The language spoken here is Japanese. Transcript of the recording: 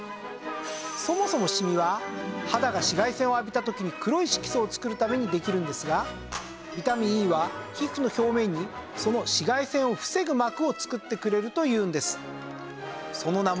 そもそもシミは肌が紫外線を浴びた時に黒い色素を作るためにできるんですがビタミンＥは皮膚の表面にその紫外線を防ぐ膜を作ってくれるというんです。